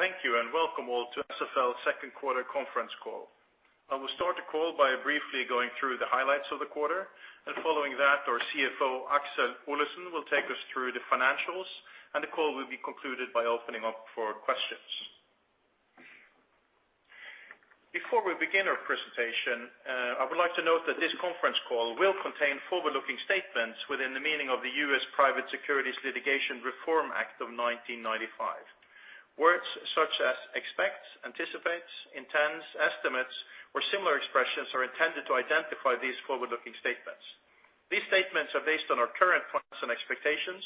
Thank you and welcome all to SFL second quarter conference call. I will start the call by briefly going through the highlights of the quarter, and following that, our CFO, Aksel Olesen, will take us through the financials, and the call will be concluded by opening up for questions. Before we begin our presentation, I would like to note that this conference call will contain forward-looking statements within the meaning of the U.S. Private Securities Litigation Reform Act of 1995. Words such as expects, anticipates, intends, estimates, or similar expressions are intended to identify these forward-looking statements. These statements are based on our current plans and expectations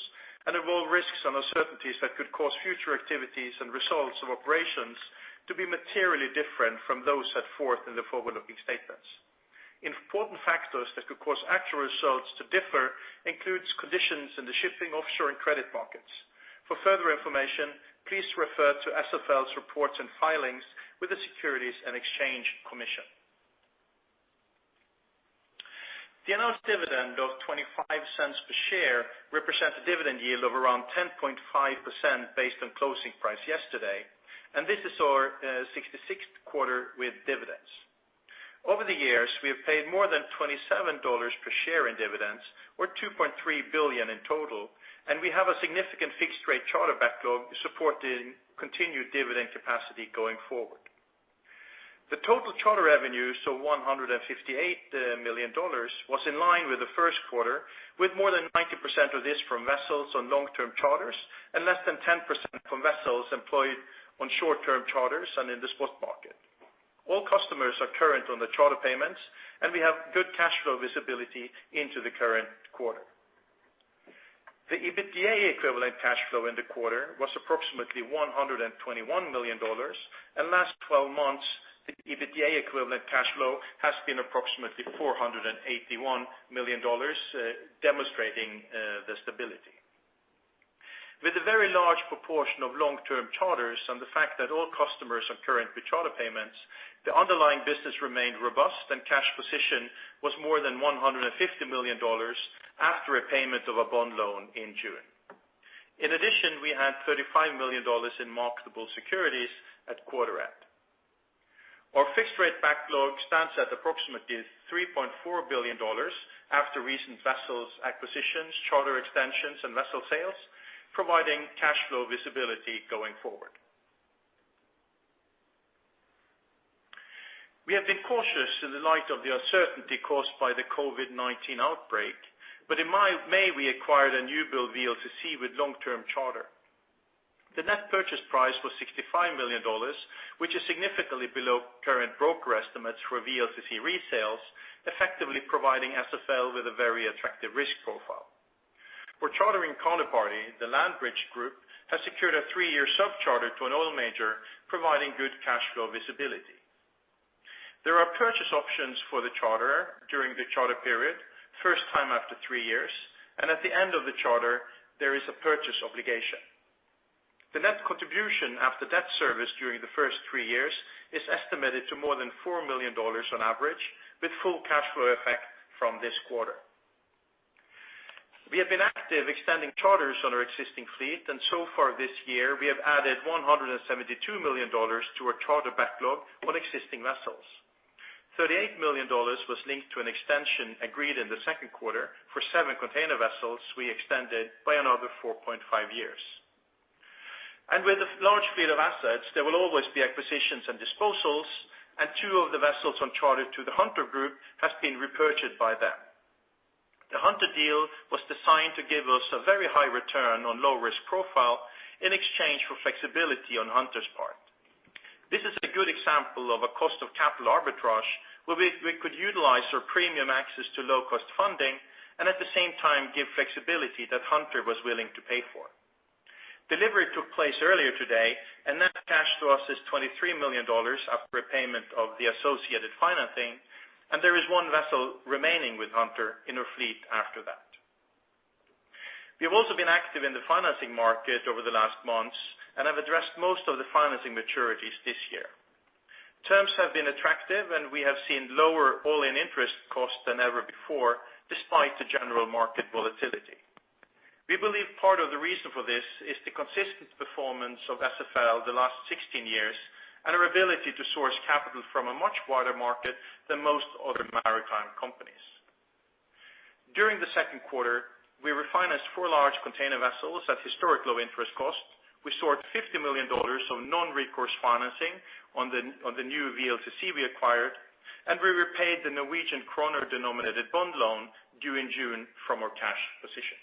and involve risks and uncertainties that could cause future activities and results of operations to be materially different from those set forth in the forward-looking statements. Important factors that could cause actual results to differ includes conditions in the shipping, offshore, and credit markets. For further information, please refer to SFL's reports and filings with the Securities and Exchange Commission. The announced dividend of $0.25 per share represents a dividend yield of around 10.5% based on closing price yesterday, and this is our 66th quarter with dividends. Over the years, we have paid more than $27 per share in dividends, or $2.3 billion in total, and we have a significant fixed rate charter backlog to support the continued dividend capacity going forward. The total charter revenue, so $158 million, was in line with the first quarter, with more than 90% of this from vessels on long-term charters and less than 10% from vessels employed on short-term charters and in the spot market. All customers are current on the charter payments, and we have good cash flow visibility into the current quarter. The EBITDA equivalent cash flow in the quarter was approximately $121 million. In last 12 months, the EBITDA equivalent cash flow has been approximately $481 million, demonstrating the stability. With a very large proportion of long-term charters and the fact that all customers are current with charter payments, the underlying business remained robust and cash position was more than $150 million after a payment of a bond loan in June. In addition, we had $35 million in marketable securities at quarter end. Our fixed rate backlog stands at approximately $3.4 billion after recent vessels acquisitions, charter extensions, and vessel sales, providing cash flow visibility going forward. We have been cautious in the light of the uncertainty caused by the COVID-19 outbreak, but in May, we acquired a new build VLCC with long-term charter. The net purchase price was $65 million, which is significantly below current broker estimates for VLCC resales, effectively providing SFL with a very attractive risk profile. For chartering counterparty, The Landbridge Group has secured a three-year sub charter to an oil major, providing good cash flow visibility. There are purchase options for the charterer during the charter period, first time after three years, and at the end of the charter, there is a purchase obligation. The net contribution after debt service during the first three years is estimated to more than $4 million on average, with full cash flow effect from this quarter. We have been active extending charters on our existing fleet, and so far this year, we have added $172 million to our charter backlog on existing vessels. $38 million was linked to an extension agreed in the second quarter for seven container vessels we extended by another 4.5 years. With a large fleet of assets, there will always be acquisitions and disposals, and two of the vessels on charter to the Hunter Group has been repurchased by them. The Hunter deal was designed to give us a very high return on low risk profile in exchange for flexibility on Hunter's part. This is a good example of a cost of capital arbitrage, where we could utilize our premium access to low-cost funding and at the same time give flexibility that Hunter was willing to pay for. Delivery took place earlier today and net cash to us is $23 million after repayment of the associated financing, and there is one vessel remaining with Hunter in our fleet after that. We have also been active in the financing market over the last months and have addressed most of the financing maturities this year. Terms have been attractive, and we have seen lower all-in interest costs than ever before, despite the general market volatility. We believe part of the reason for this is the consistent performance of SFL the last 16 years and our ability to source capital from a much wider market than most other maritime companies. During the second quarter, we refinanced four large container vessels at historic low interest cost. We sourced $50 million of non-recourse financing on the new VLCC we acquired, and we repaid the NOK-denominated bond loan due in June from our cash position.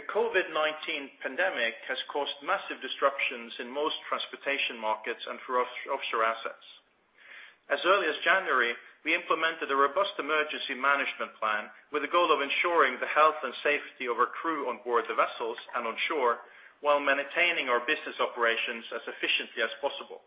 The COVID-19 pandemic has caused massive disruptions in most transportation markets and for offshore assets. As early as January, we implemented a robust emergency management plan with the goal of ensuring the health and safety of our crew on board the vessels and on shore while maintaining our business operations as efficiently as possible.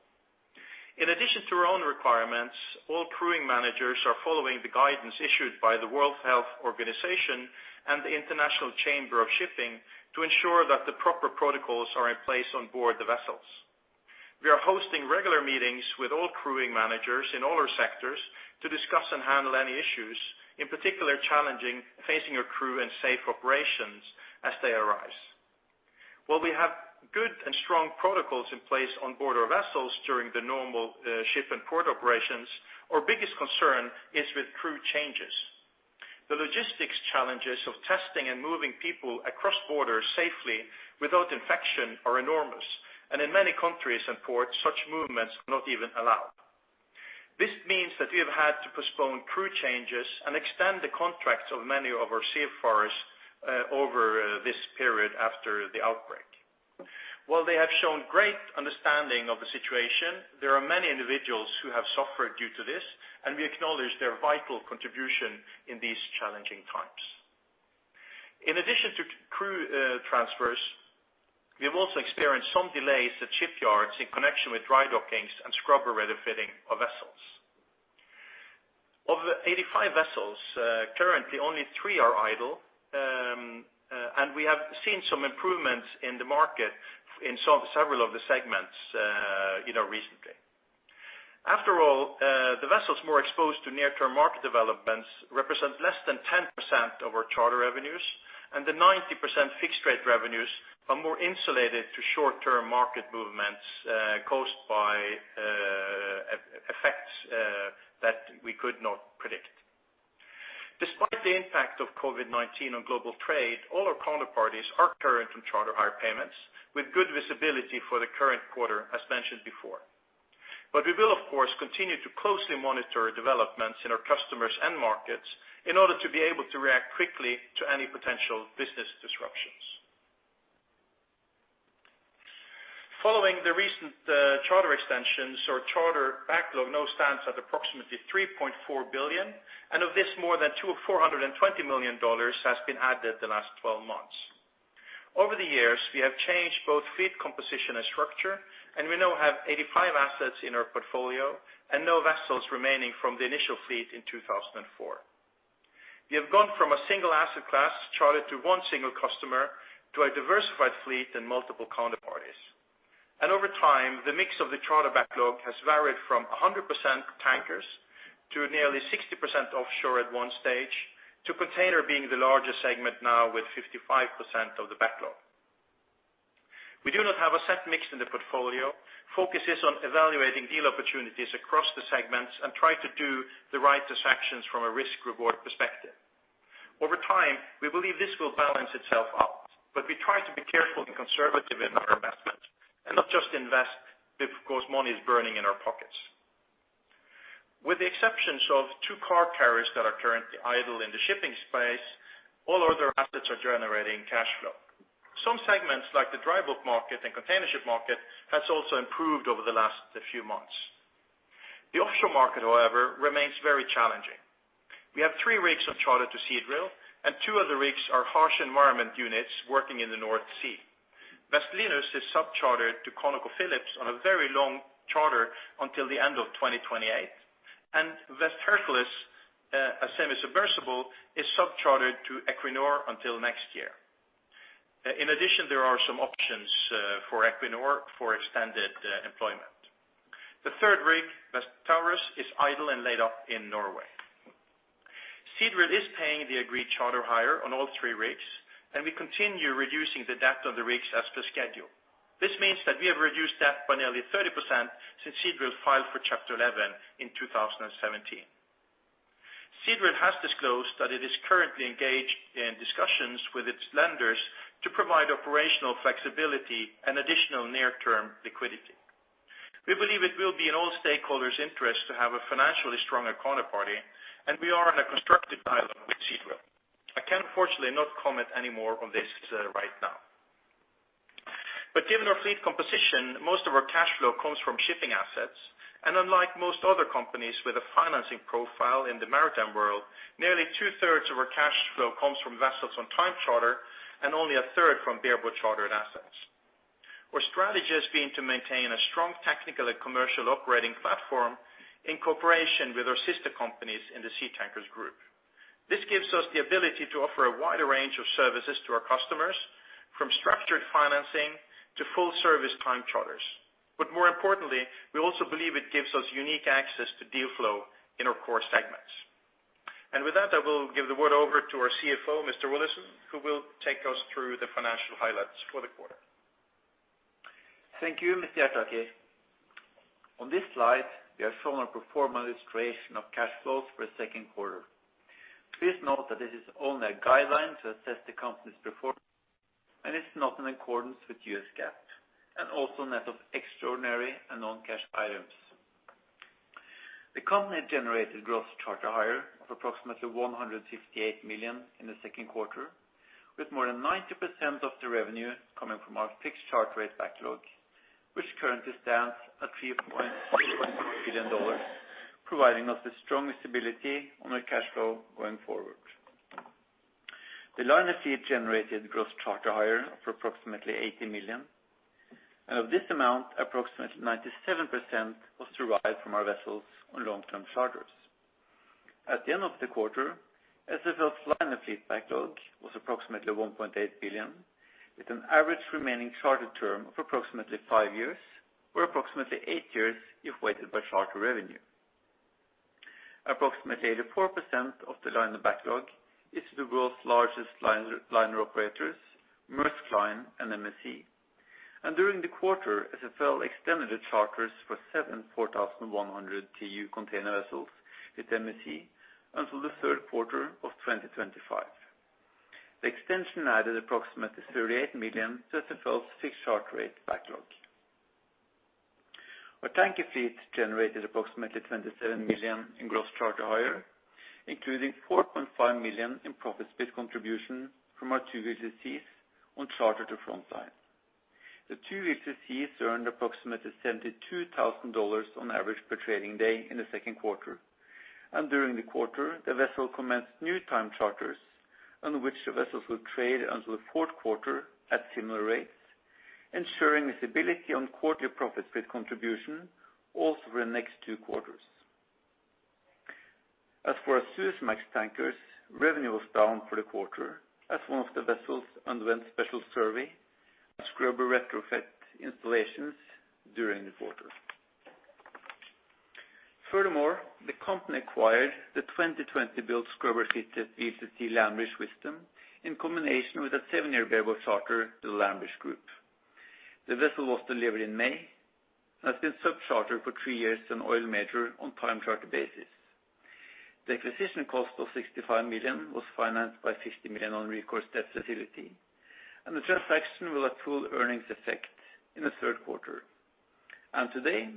In addition to our own requirements, all crewing managers are following the guidance issued by the World Health Organization and the International Chamber of Shipping to ensure that the proper protocols are in place on board the vessels. We are hosting regular meetings with all crewing managers in all our sectors to discuss and handle any issues, in particular challenging, facing our crew and safe operations as they arise. While we have good and strong protocols in place on board our vessels during the normal ship and port operations, our biggest concern is with crew changes. The logistics challenges of testing and moving people across borders safely without infection are enormous, and in many countries and ports, such movements are not even allowed. This means that we have had to postpone crew changes and extend the contracts of many of our seafarers over this period after the outbreak. While they have shown great understanding of the situation, there are many individuals who have suffered due to this, and we acknowledge their vital contribution in these challenging times. In addition to crew transfers, we have also experienced some delays at shipyards in connection with dry dockings and scrubber retrofitting of vessels. Of the 85 vessels, currently only three are idle, and we have seen some improvements in the market in several of the segments recently. After all, the vessels more exposed to near-term market developments represent less than 10% of our charter revenues, and the 90% fixed rate revenues are more insulated to short-term market movements caused by effects that we could not predict. Despite the impact of COVID-19 on global trade, all our counterparties are current on charter hire payments with good visibility for the current quarter, as mentioned before. We will, of course, continue to closely monitor developments in our customers and markets in order to be able to react quickly to any potential business disruptions. Following the recent charter extensions, our charter backlog now stands at approximately $3.4 billion, and of this more than $2.420 million has been added the last 12 months. Over the years, we have changed both fleet composition and structure, we now have 85 assets in our portfolio and no vessels remaining from the initial fleet in 2004. We have gone from a single asset class chartered to one single customer to a diversified fleet and multiple counterparties. Over time, the mix of the charter backlog has varied from 100% tankers to nearly 60% offshore at one stage, to container being the largest segment now with 55% of the backlog. We do not have a set mix in the portfolio, focus is on evaluating deal opportunities across the segments and try to do the right dissections from a risk-reward perspective. Over time, we believe this will balance itself out, we try to be careful and conservative in our investment and not just invest because money is burning in our pockets. With the exceptions of two car carriers that are currently idle in the shipping space, all other assets are generating cash flow. Some segments like the dry bulk market and container ship market has also improved over the last few months. The offshore market, however, remains very challenging. We have three rigs of charter to Seadrill, and two other rigs are harsh environment units working in the North Sea. West Linus is sub-chartered to ConocoPhillips on a very long charter until the end of 2028, and West Hercules, a semi-submersible, is sub-chartered to Equinor until next year. In addition, there are some options for Equinor for extended employment. The third rig, West Taurus, is idle and laid up in Norway. Seadrill is paying the agreed charter hire on all three rigs, and we continue reducing the debt on the rigs as per schedule. This means that we have reduced debt by nearly 30% since Seadrill filed for Chapter 11 in 2017. Seadrill has disclosed that it is currently engaged in discussions with its lenders to provide operational flexibility and additional near-term liquidity. We believe it will be in all stakeholders' interest to have a financially stronger counterparty, and we are in a constructive dialogue with Seadrill. I can unfortunately not comment any more on this right now. Given our fleet composition, most of our cash flow comes from shipping assets, and unlike most other companies with a financing profile in the maritime world, nearly 2/3 of our cash flow comes from vessels on time charter and only 1/3 from bareboat chartered assets. Our strategy has been to maintain a strong technical and commercial operating platform in cooperation with our sister companies in the Seatankers Group. This gives us the ability to offer a wider range of services to our customers, from structured financing to full service time charters. More importantly, we also believe it gives us unique access to deal flow in our core segments. With that, I will give the word over to our CFO, Mr. Olesen, who will take us through the financial highlights for the quarter. Thank you, Mr. Hjertaker. On this slide, we are showing a pro forma illustration of cash flows for the second quarter. Please note that this is only a guideline to assess the company's performance, and it's not in accordance with U.S. GAAP and also net of extraordinary and non-cash items. The company generated gross charter hire of approximately $158 million in the second quarter, with more than 90% of the revenue coming from our fixed charter rate backlog, which currently stands at $3.2 billion, providing us with strong stability on our cash flow going forward. The liner fleet generated gross charter hire for approximately $80 million, and of this amount, approximately 97% was derived from our vessels on long-term charters. At the end of the quarter, SFL's liner fleet backlog was approximately $1.8 billion, with an average remaining charter term of approximately five years or approximately eight years if weighted by charter revenue. Approximately 84% of the liner backlog is the world's largest liner operators, Maersk Line and MSC. During the quarter, SFL extended the charters for seven 4,100 TEU container vessels with MSC until the third quarter of 2025. The extension added approximately $38 million to SFL's fixed charter rate backlog. Our tanker fleet generated approximately $27 million in gross charter hire, including $4.5 million in profit split contribution from our two VLCCs on charter to Frontline. The two VLCCs earned approximately $72,000 on average per trading day in the second quarter. During the quarter, the vessel commenced new time charters on which the vessels will trade until the fourth quarter at similar rates, ensuring visibility on quarterly profit split contribution all through the next two quarters. As for our Suezmax tankers, revenue was down for the quarter as one of the vessels underwent special survey and scrubber retrofit installations during the quarter. Furthermore, the company acquired the 2020-built scrubber-fitted VLCC Landbridge Wisdom in combination with a seven-year bareboat charter to The Landbridge Group. The vessel was delivered in May and has been sub-chartered for three years to an oil major on a time charter basis. The acquisition cost of $65 million was financed by $50 million non-recourse debt facility, and the transaction will have full earnings effect in the third quarter. Today,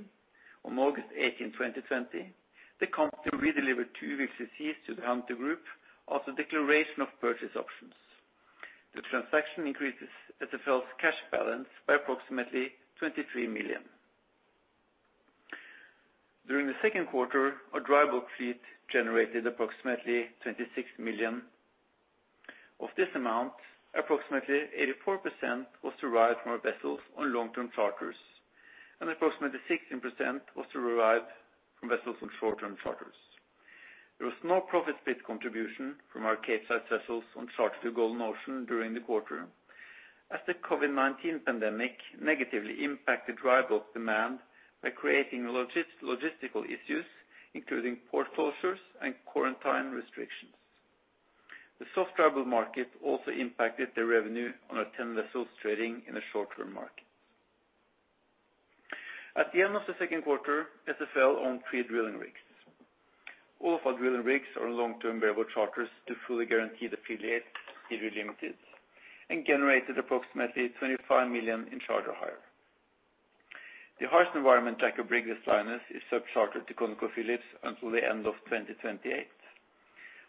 on August 18, 2020, the company redelivered two VLCCs to the Hunter Group after declaration of purchase options. The transaction increases SFL's cash balance by approximately $23 million. During the second quarter, our dry bulk fleet generated approximately $26 million. Of this amount, approximately 84% was derived from our vessels on long-term charters, and approximately 16% was derived from vessels on short-term charters. There was no profit split contribution from our Capesize vessels on charter to Golden Ocean during the quarter, as the COVID-19 pandemic negatively impacted dry bulk demand by creating logistical issues, including port closures and quarantine restrictions. The soft travel market also impacted the revenue on our 10 vessels trading in the short-term market. At the end of the second quarter, SFL owned three drilling rigs. All of our drilling rigs are long-term variable charters to fully guaranteed affiliate, Hemen Holding Limited, and generated approximately $25 million in charter hire. The harsh environment jack-up rig, West Linus, is sub-chartered to ConocoPhillips until the end of 2028,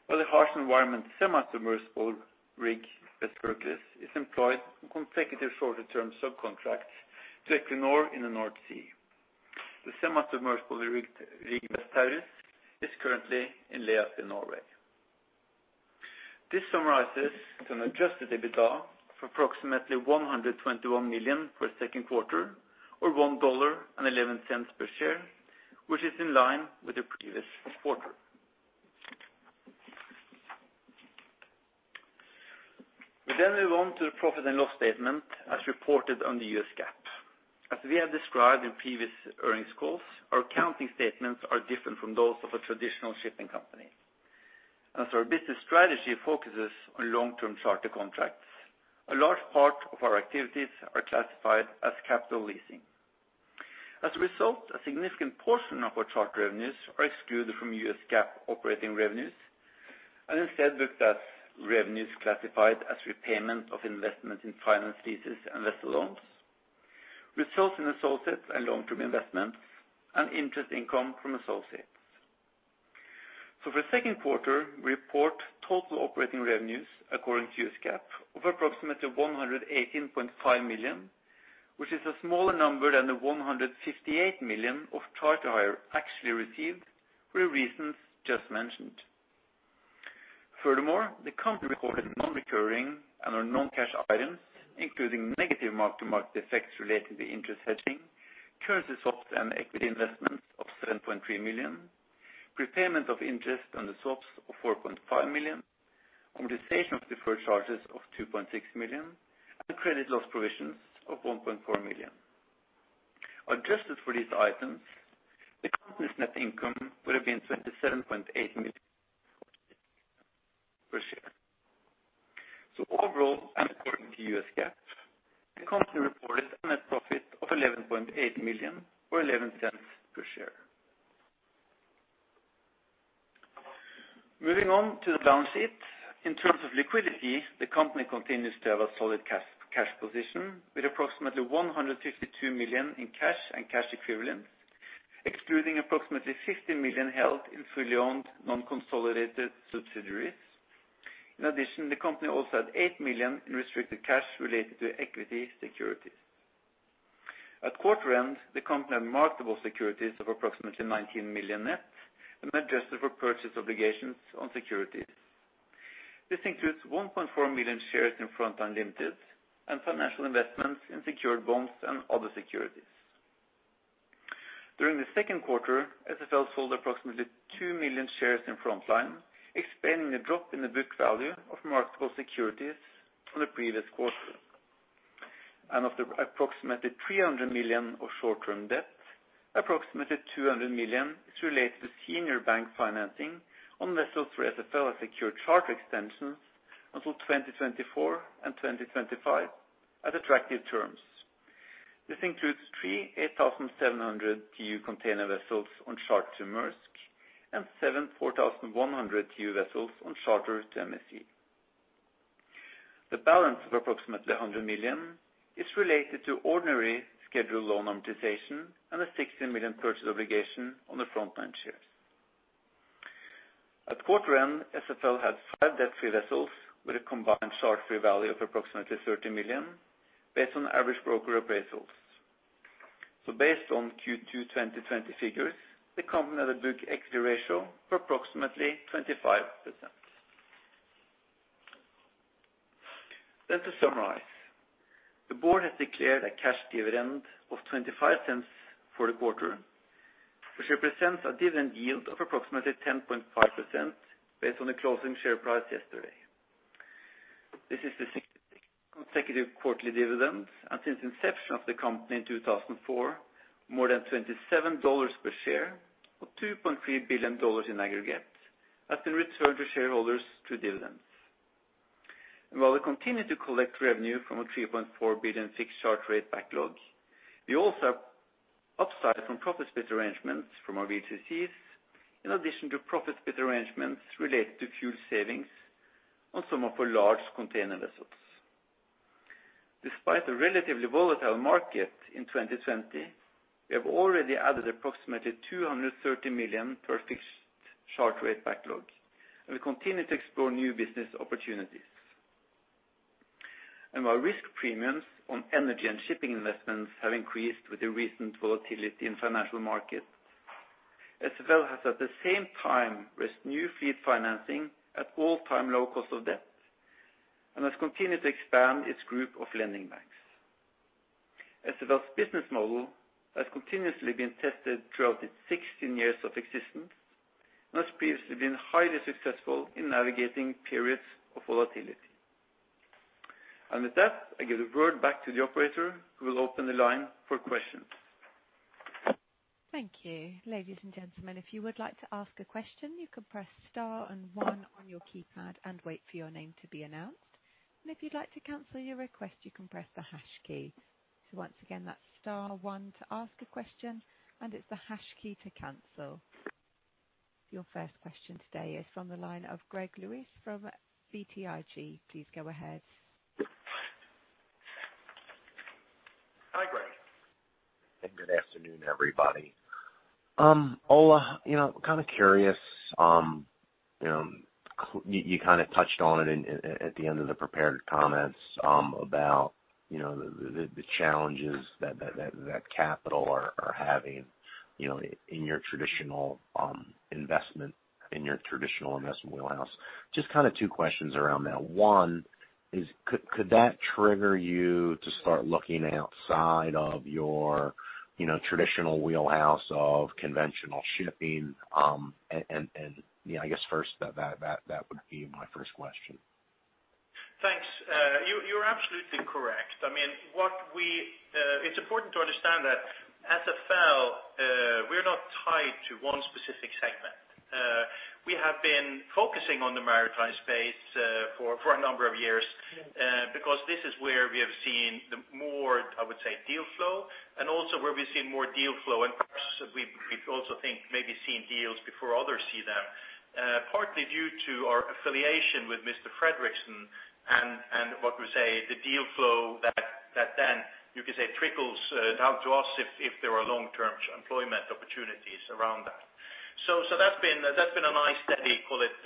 while the harsh environment semi-submersible rig, West Hercules, is employed on consecutive shorter-term subcontracts to Equinor in the North Sea. The semi-submersible rig, West Taurus, is currently in lay-up in Norway. This summarizes to an adjusted EBITDA of approximately $121 million for the second quarter or $1.11 per share, which is in line with the previous quarter. We move on to the profit and loss statement as reported under U.S. GAAP. As we have described in previous earnings calls, our accounting statements are different from those of a traditional shipping company. As our business strategy focuses on long-term charter contracts, a large part of our activities are classified as capital leasing. As a result, a significant portion of our charter revenues are excluded from U.S. GAAP operating revenues and instead booked as revenues classified as repayment of investment in finance leases and vessel loans, results in associates and long-term investments, and interest income from associates. For the second quarter, we report total operating revenues according to U.S. GAAP of approximately $118.5 million, which is a smaller number than the $158 million of charter hire actually received for the reasons just mentioned. Furthermore, the company recorded non-recurring and our non-cash items, including negative mark-to-market effects related to interest hedging, currency swaps and equity investments of $7.3 million, prepayment of interest on the swaps of $4.5 million, amortization of deferred charges of $2.6 million, and credit loss provisions of $1.4 million. Adjusted for these items, the company's net income would have been $27.8 million per share. Overall, and according to U.S. GAAP, the company reported a net profit of $11.8 million or $0.11 per share. Moving on to the balance sheet. In terms of liquidity, the company continues to have a solid cash position with approximately $152 million in cash and cash equivalents, excluding approximately $50 million held in fully owned non-consolidated subsidiaries. In addition, the company also had $8 million in restricted cash related to equity securities. At quarter end, the company had marketable securities of approximately $19 million net and adjusted for purchase obligations on securities. This includes 1.4 million shares in Frontline Ltd and financial investments in secured bonds and other securities. During the second quarter, SFL sold approximately 2 million shares in Frontline, explaining the drop in the book value of marketable securities from the previous quarter. Of the approximately $300 million of short-term debt, approximately $200 million is related to senior bank financing on vessels where SFL has secured charter extensions until 2024 and 2025 at attractive terms. This includes three 8,700 TEU container vessels on charter to Maersk and seven 4,100 TEU vessels on charter to MSC. The balance of approximately $100 million is related to ordinary scheduled loan amortization and a $16 million purchase obligation on the Frontline shares. At quarter end, SFL had five debt-free vessels with a combined charter free value of approximately $30 million based on average broker appraisals. Based on Q2 2020 figures, the company had a book equity ratio of approximately 25%. To summarize, the board has declared a cash dividend of $0.25 for the quarter, which represents a dividend yield of approximately 10.5% based on the closing share price yesterday. This is the 60th consecutive quarterly dividend, and since inception of the company in 2004, more than $27 per share or $2.3 billion in aggregate has been returned to shareholders through dividends. While we continue to collect revenue from a $3.4 billion fixed charter rate backlog, we also have upside from profit split arrangements from our VLCCs, in addition to profit split arrangements related to fuel savings on some of our large container vessels. Despite a relatively volatile market in 2020, we have already added approximately $230 million to our fixed charter rate backlog, and we continue to explore new business opportunities. While risk premiums on energy and shipping investments have increased with the recent volatility in financial markets, SFL has at the same time raised new fleet financing at all-time low cost of debt and has continued to expand its group of lending banks. SFL's business model has continuously been tested throughout its 16 years of existence and has previously been highly successful in navigating periods of volatility. With that, I give the floor back to the operator, who will open the line for questions. Thank you. Ladies and gentlemen, if you would like to ask a question, you can press star and one on your keypad and wait for your name to be announced. If you'd like to cancel your request, you can press the hash key. Once again, that's star one to ask a question, and it's the hash key to cancel. Your first question today is from the line of Gregory Lewis from BTIG. Please go ahead. Hi, Greg. Good afternoon, everybody. Ole, kind of curious, you touched on it at the end of the prepared comments about the challenges that capital are having in your traditional investment wheelhouse. Just two questions around that. One is, could that trigger you to start looking outside of your traditional wheelhouse of conventional shipping? I guess that would be my first question. Thanks. You're absolutely correct. It's important to understand that at SFL, we are not tied to one specific segment. We have been focusing on the maritime space for a number of years because this is where we have seen the more, I would say, deal flow and also where we've seen more deal flow. Of course, we also think maybe seen deals before others see them, partly due to our affiliation with Mr. Fredriksen and what we say, the deal flow that then you could say trickles down to us if there are long-term employment opportunities around that. That's been a nice steady, call it,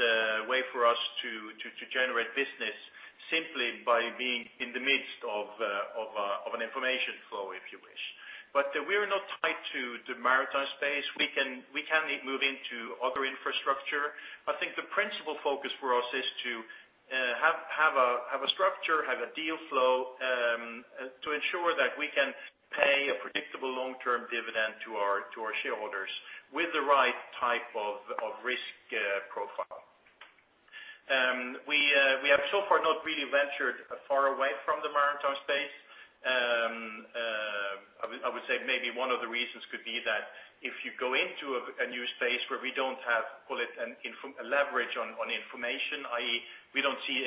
way for us to generate business simply by being in the midst of an information flow, if you wish. We are not tied to the maritime space. We can move into other infrastructure. I think the principal focus for us is to have a structure, have a deal flow to ensure that we can pay a predictable long-term dividend to our shareholders with the right type of risk profile. We have so far not really ventured far away from the maritime space. I would say maybe one of the reasons could be that if you go into a new space where we don't have, call it, a leverage on information, i.e., we don't see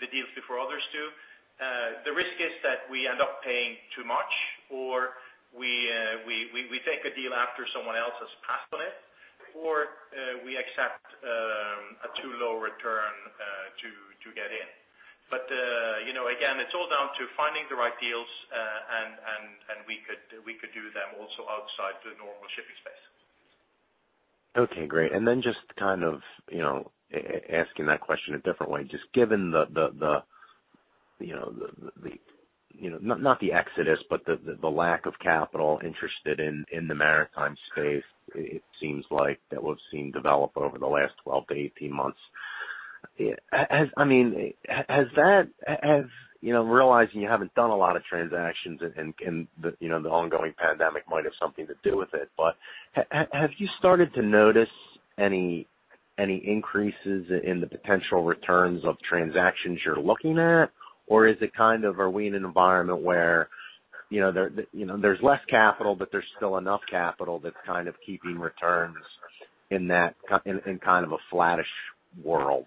the deals before others do, the risk is that we end up paying too much, or we take a deal after someone else has passed on it, or we accept a too low return to get in. Again, it's all down to finding the right deals, and we could do them also outside the normal shipping space. Okay, great. Just kind of asking that question a different way, just given the lack of capital interested in the maritime space, it seems like that we've seen develop over the last 12 to 18 months. Realizing you haven't done a lot of transactions and the ongoing pandemic might have something to do with it, have you started to notice any increases in the potential returns of transactions you're looking at? Are we in an environment where there's less capital but there's still enough capital that's keeping returns in a flattish world?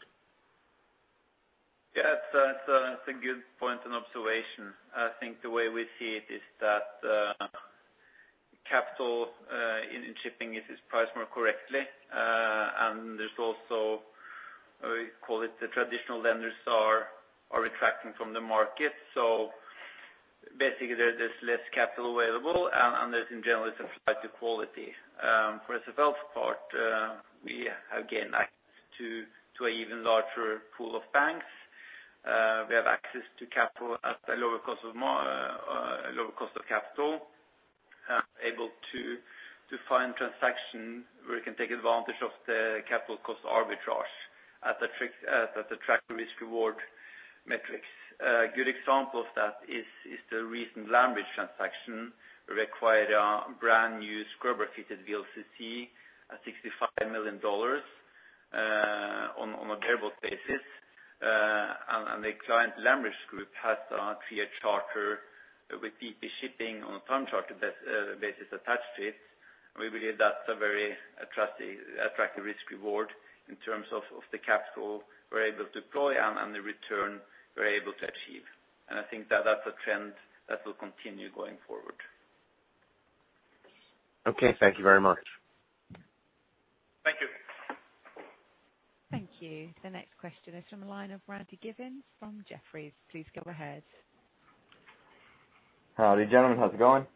That's a good point and observation. I think the way we see it is that capital in shipping is priced more correctly. There's also, we call it the traditional lenders are retracting from the market. Basically, there's less capital available, and there's in general it's a flight to quality. For SFL's part, we have gained access to an even larger pool of banks. We have access to capital at a lower cost of capital, and able to find transactions where we can take advantage of the capital cost arbitrage at the attractive risk/reward metrics. A good example of that is the recent Landbridge transaction required a brand new scrubber-fitted VLCC, at $65 million on a variable basis. The client, Landbridge Group, has a three-year charter with BP Shipping on a time charter basis attached to it. We believe that's a very attractive risk/reward in terms of the capital we're able to deploy and the return we're able to achieve. I think that's a trend that will continue going forward. Okay. Thank you very much. Thank you. Thank you. The next question is from the line of Randy Giveans from Jefferies. Please go ahead. Howdy, gentlemen. How's it going?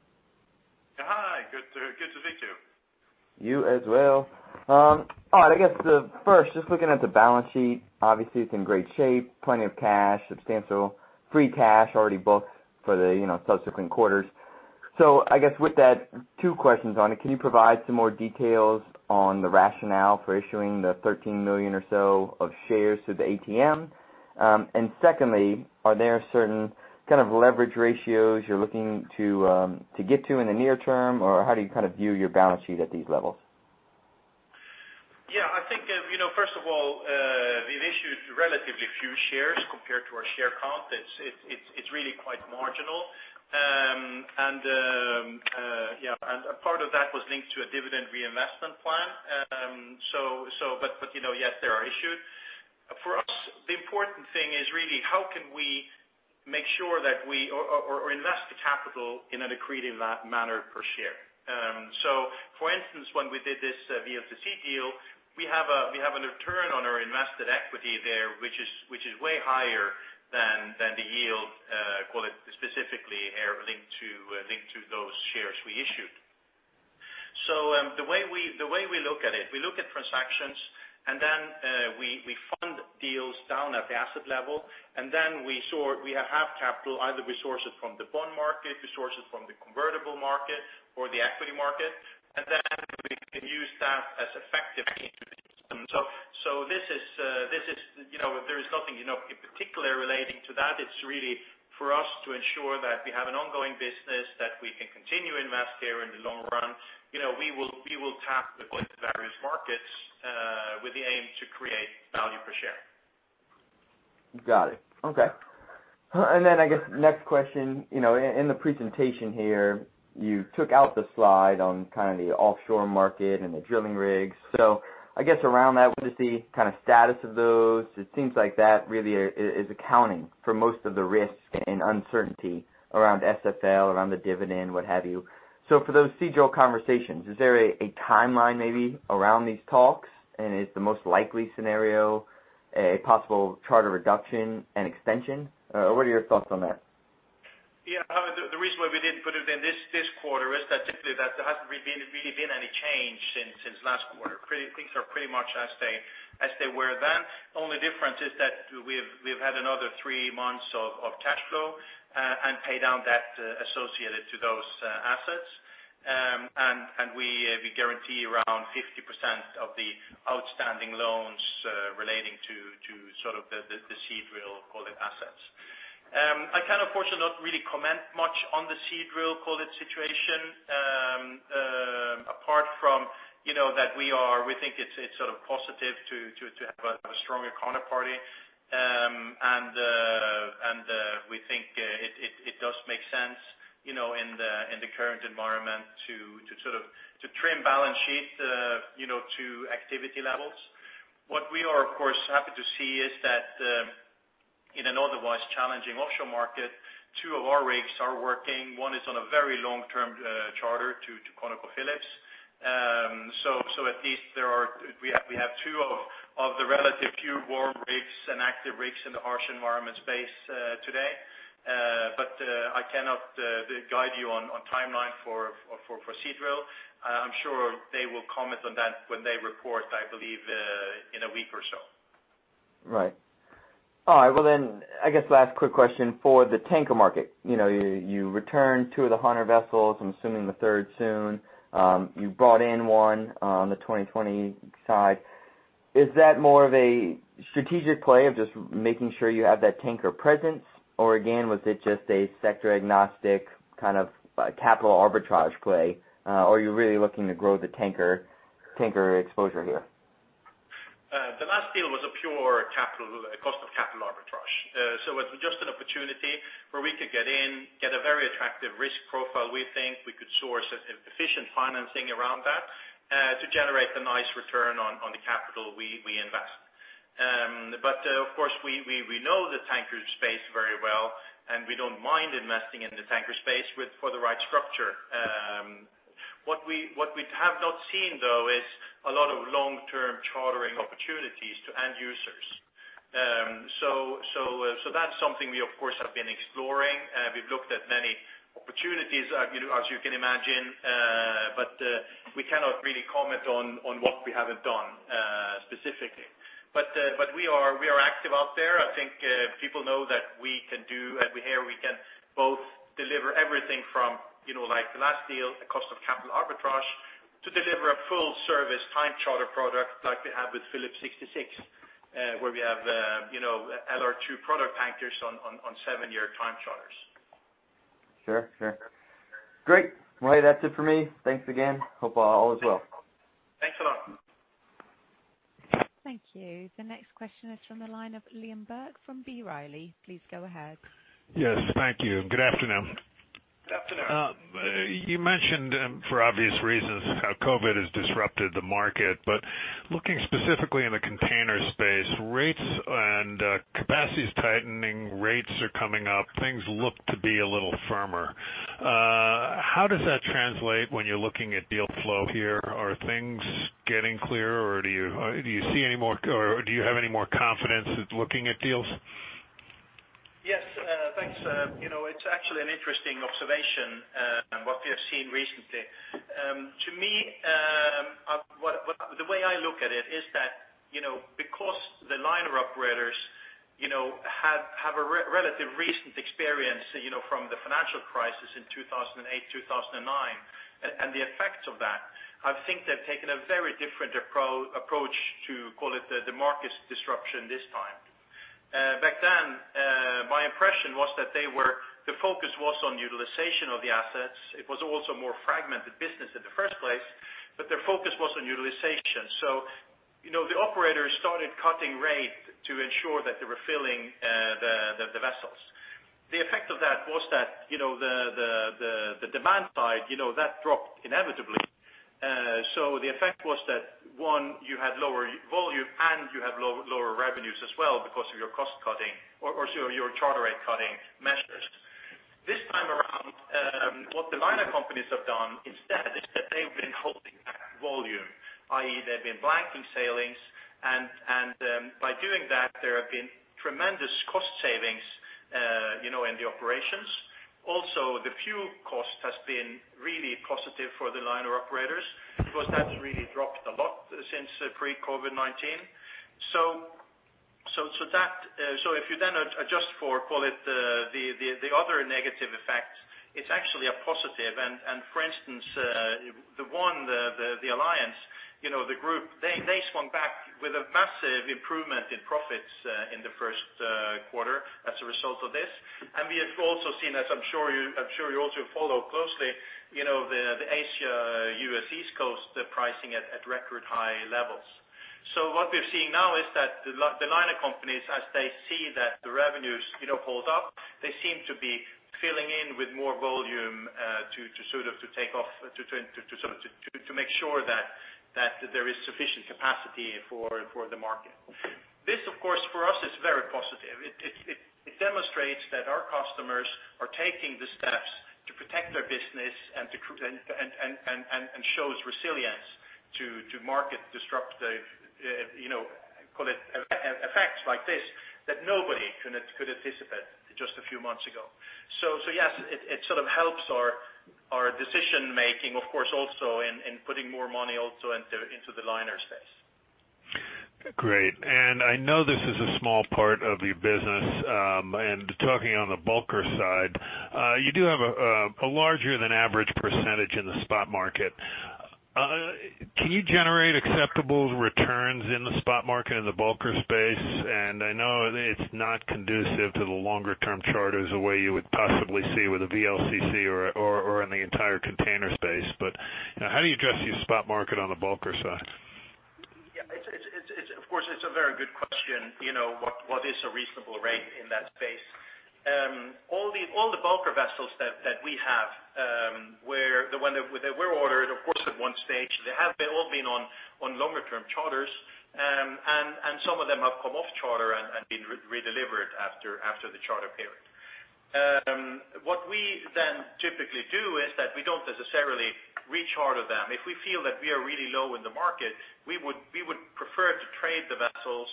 Hi. Good to see you. You as well. All right. I guess the first, just looking at the balance sheet, obviously it's in great shape, plenty of cash, substantial free cash already booked for the subsequent quarters. I guess with that, two questions on it. Can you provide some more details on the rationale for issuing the $13 million or so of shares through the ATM? Secondly, are there certain kind of leverage ratios you're looking to get to in the near term, or how do you view your balance sheet at these levels? Yeah. I think, first of all, we've issued relatively few shares compared to our share count. It's really quite marginal. A part of that was linked to a dividend reinvestment plan. Yes, they are issued. For us, the important thing is really how can we make sure that we invest the capital in an accretive manner per share. For instance, when we did this VLCC deal, we have a return on our invested equity there which is way higher than the yield, call it specifically linked to those shares we issued. The way we look at it, we look at transactions and then we fund deals down at the asset level, and then we have capital, either we source it from the bond market, we source it from the convertible market or the equity market, and then we can use that as effectively into the system. There is nothing in particular relating to that. It's really for us to ensure that we have an ongoing business, that we can continue to invest here in the long run. We will tap the various markets with the aim to create value per share. Got it. Okay. I guess next question. In the presentation here, you took out the slide on the offshore market and the drilling rigs. I guess around that, what is the status of those? It seems like that really is accounting for most of the risk and uncertainty around SFL, around the dividend, what have you. For those Seadrill conversations, is there a timeline maybe around these talks, and is the most likely scenario a possible charter reduction and extension? What are your thoughts on that? Yeah. The reason why we didn't put it in this quarter is that simply there hasn't really been any change since last quarter. Things are pretty much as they were then. Only difference is that we've had another three months of cash flow and paid down debt associated to those assets. We guarantee around 50% of the outstanding loans relating to the Seadrill call it assets. I can, of course, not really comment much on the Seadrill call it situation, apart from that we think it's sort of positive to have a stronger counterparty. We think it does make sense in the current environment to trim balance sheet to activity levels. What we are, of course, happy to see is that in an otherwise challenging offshore market, two of our rigs are working. One is on a very long-term charter to ConocoPhillips. At least we have two of the relative few warm rigs and active rigs in the harsh environment space today. I cannot guide you on timeline for Seadrill. I'm sure they will comment on that when they report, I believe, in a week or so. Right. All right, well, I guess last quick question for the tanker market. You returned two of the 100 vessels, I'm assuming the third soon. You brought in one on the 2020 side. Is that more of a strategic play of just making sure you have that tanker presence? Again, was it just a sector agnostic kind of capital arbitrage play? Are you really looking to grow the tanker exposure here? The last deal was a pure cost of capital arbitrage. It was just an opportunity where we could get in, get a very attractive risk profile, we think. We could source efficient financing around that, to generate a nice return on the capital we invest. Of course, we know the tanker space very well, and we don't mind investing in the tanker space for the right structure. What we have not seen, though, is a lot of long-term chartering opportunities to end users. That's something we, of course, have been exploring. We've looked at many opportunities, as you can imagine, but we cannot really comment on what we haven't done specifically. We are active out there. I think people know that we can do, and we hear we can both deliver everything from like the last deal, the cost of capital arbitrage, to deliver a full service time charter product like we have with Phillips 66, where we have LR2 product tankers on seven-year time charters. Sure. Great. Well, that's it for me. Thanks again. Hope all is well. Thanks a lot. Thank you. The next question is from the line of Liam Burke from B. Riley. Please go ahead. Yes. Thank you. Good afternoon. Good afternoon. You mentioned, for obvious reasons, how COVID-19 has disrupted the market, but looking specifically in the container space, rates and capacity is tightening. Rates are coming up. Things look to be a little firmer. How does that translate when you're looking at deal flow here? Are things getting clearer or do you have any more confidence with looking at deals? Yes. Thanks. It is actually an interesting observation, what we have seen recently. To me, the way I look at it is that because the liner operators have a relative recent experience from the financial crisis in 2008, 2009, and the effects of that, I think they have taken a very different approach to, call it, the market disruption this time. Back then, my impression was that the focus was on utilization of the assets. It was also more fragmented business in the first place, but their focus was on utilization. The operators started cutting rates to ensure that they were filling the vessels. The effect of that was that the demand side dropped inevitably. The effect was that one, you had lower volume and you had lower revenues as well because of your cost cutting or your charter rate cutting measures. This time around, what the liner companies have done instead is that they've been holding back volume, i.e., they've been blanking sailings, and by doing that, there have been tremendous cost savings in the operations. Also, the fuel cost has been really positive for the liner operators because that's really dropped a lot since pre-COVID-19. If you then adjust for, call it, the other negative effects, it's actually a positive. For instance, the one, THE Alliance, the group, they swung back with a massive improvement in profits in the first quarter as a result of this. We have also seen as I'm sure you also follow closely, the Asia, U.S. East Coast pricing at record high levels. What we are seeing now is that the liner companies, as they see that the revenues hold up, they seem to be filling in with more volume to make sure that there is sufficient capacity for the market. This, of course, for us is very positive. It demonstrates that our customers are taking the steps to protect their business and shows resilience to market disruptive, call it effects like this, that nobody could anticipate just a few months ago. Yes, it sort of helps our decision making, of course also in putting more money also into the liner space. Great. I know this is a small part of your business. Talking on the bulker side, you do have a larger than average percentage in the spot market. Can you generate acceptable returns in the spot market in the bulker space? I know it's not conducive to the longer term charters the way you would possibly see with a VLCC or in the entire container space. How do you address your spot market on the bulker side? Of course, it's a very good question. What is a reasonable rate in that space? All the bulker vessels that we have when they were ordered, of course, at one stage, they have all been on longer term charters. Some of them have come off charter and been redelivered after the charter period. What we then typically do is that we don't necessarily re-charter them. If we feel that we are really low in the market, we would prefer to trade the vessels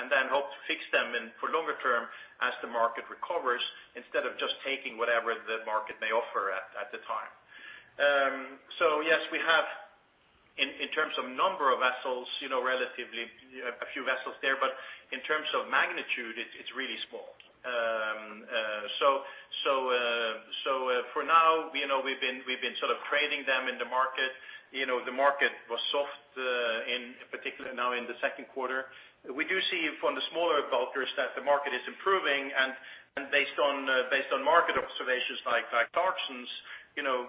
and then hope to fix them for longer term as the market recovers, instead of just taking whatever the market may offer at the time. Yes, we have, in terms of number of vessels, relatively a few vessels there, but in terms of magnitude, it's really small. For now, we've been sort of trading them in the market. The market was soft, in particular now in the second quarter. Based on market observations like Clarksons,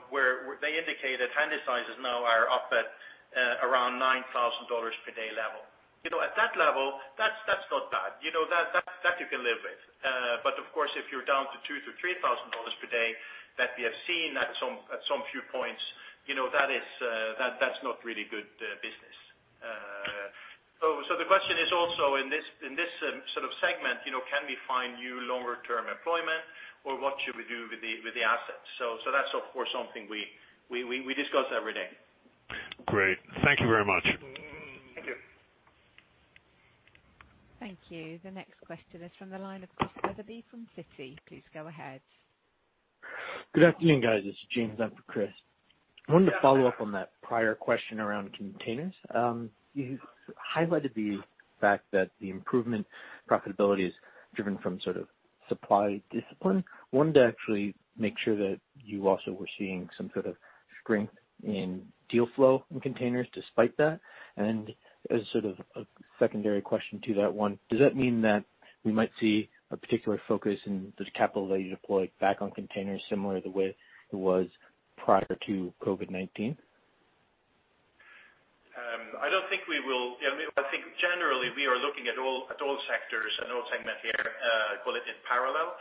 where they indicate that Handysize now are up at around $9,000 per day level. At that level, that's not bad. That you can live with. Of course, if you're down to $2,000-$3,000 per day that we have seen at some few points, that's not really good business. The question is also in this sort of segment, can we find new longer term employment or what should we do with the assets? That's of course, something we discuss every day. Great. Thank you very much. Thank you. The next question is from the line of Chris Wetherbee from Citi. Please go ahead. Good afternoon, guys. It's James in for Chris. I wanted to follow up on that prior question around containers. You highlighted the fact that the improvement profitability is driven from sort of supply discipline. I wanted to actually make sure that you also were seeing some sort of strength in deal flow in containers despite that. As sort of a secondary question to that one, does that mean that we might see a particular focus in the capital that you deploy back on containers similar to the way it was prior to COVID-19? I think generally we are looking at all sectors and all segment here, call it in parallel.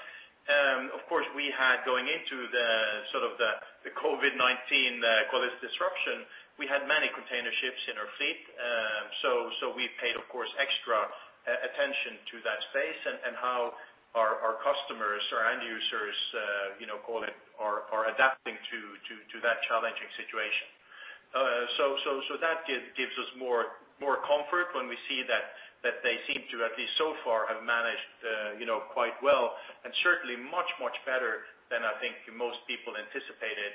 Of course, we had going into the sort of the COVID-19, call it disruption, we had many container ships in our fleet. We paid, of course, extra attention to that space and how our customers, our end users, call it, are adapting to that challenging situation. That gives us more comfort when we see that they seem to, at least so far, have managed quite well and certainly much, much better than I think most people anticipated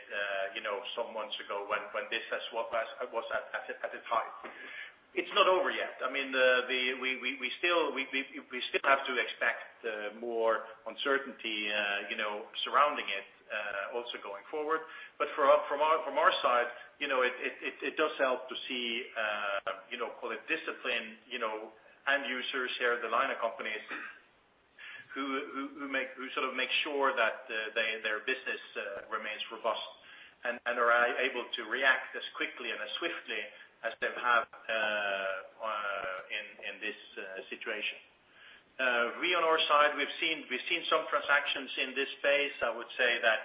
some months ago when this was at its height. It's not over yet. We still have to expect more uncertainty surrounding it also going forward. From our side, it does help to see call it discipline, end users here, the liner companies who sort of make sure that their business remains robust and are able to react as quickly and as swiftly as they have in this situation. We, on our side, we've seen some transactions in this space. I would say that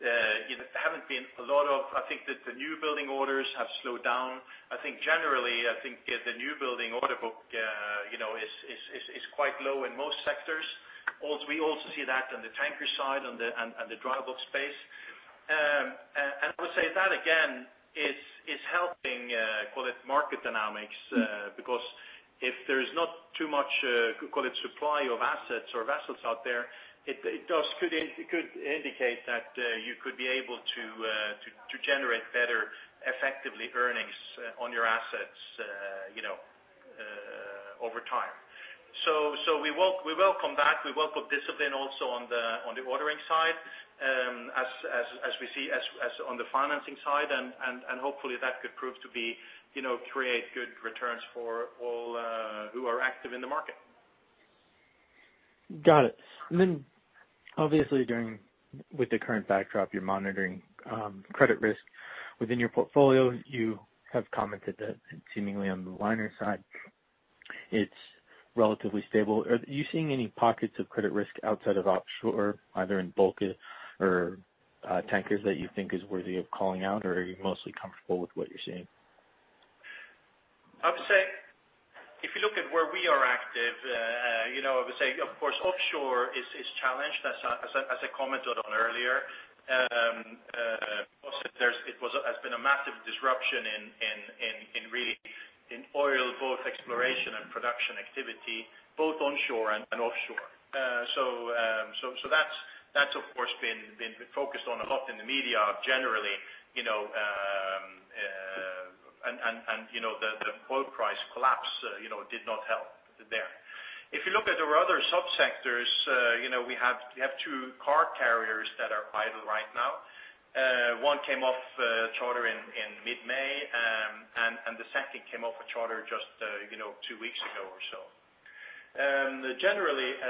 it hasn't been. I think that the new building orders have slowed down. I think generally, the new building order book is quite low in most sectors. We also see that on the tanker side, on the dry bulk space. I would say that again, is helping call it market dynamics, because if there is not too much, call it supply of assets or vessels out there, it could indicate that you could be able to generate better effectively earnings on your assets over time. We welcome that. We welcome discipline also on the ordering side as we see on the financing side, and hopefully that could prove to create good returns for all who are active in the market. Got it. Obviously with the current backdrop, you're monitoring credit risk within your portfolio. You have commented that seemingly on the liner side, it's relatively stable. Are you seeing any pockets of credit risk outside of offshore, either in bulker or tankers that you think is worthy of calling out or are you mostly comfortable with what you're seeing? I would say if you look at where we are active, I would say of course offshore is challenged as I commented on earlier. It has been a massive disruption in oil, both exploration and production activity, both onshore and offshore. That's of course been focused on a lot in the media generally, and the oil price collapse did not help there. If you look at our other sub-sectors, we have two car carriers that are idle right now. One came off charter in mid-May, and the second came off a charter just two weeks ago or so. Generally,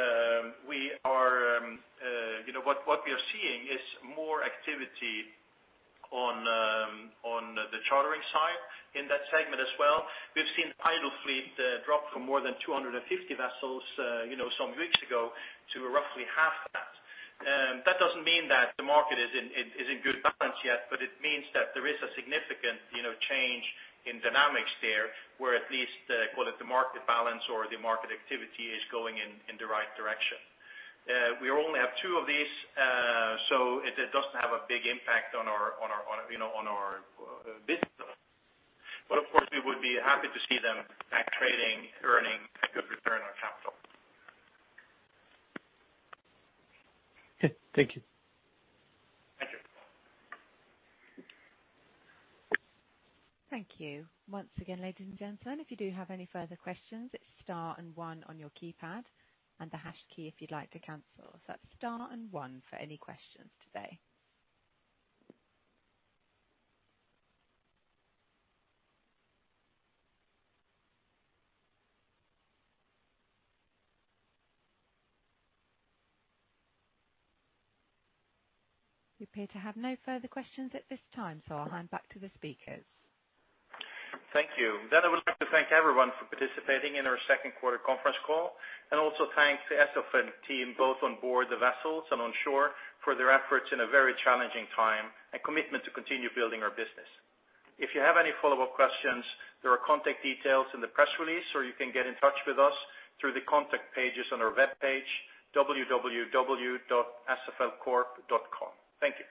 what we are seeing is more activity on the chartering side in that segment as well. We've seen idle fleet drop from more than 250 vessels some weeks ago to roughly half that. That doesn't mean that the market is in good balance yet, but it means that there is a significant change in dynamics there, where at least, call it the market balance or the market activity is going in the right direction. We only have two of these, so it doesn't have a big impact on our business. Of course, we would be happy to see them back trading, earning a good return on capital. Okay, thank you. Thank you. Once again, ladies and gentlemen, if you do have any further questions, star and one on your keypad and the hash key if you'd like to cancel. Star and one for any questions today. We appear to have no further questions at this time, so I'll hand back to the speakers. Thank you. I would like to thank everyone for participating in our second quarter conference call, and also thank the SFL team, both on board the vessels and on shore, for their efforts in a very challenging time and commitment to continue building our business. If you have any follow-up questions, there are contact details in the press release, or you can get in touch with us through the contact pages on our webpage, www.sflcorp.com. Thank you.